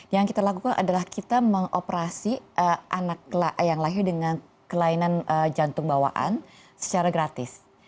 yang kita lakukan adalah kita mengoperasi anak yang lahir dengan kelainan jantung bawaan secara gratis